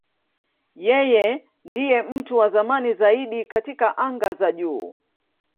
Yeye ndiye mtu wa zamani zaidi katika anga za juu.